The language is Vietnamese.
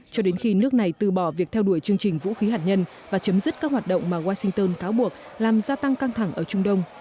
cho đến khi nước này từ bỏ việc theo đuổi chương trình vũ khí hạt nhân và chấm dứt các hoạt động mà washington cáo buộc làm gia tăng căng thẳng ở trung đông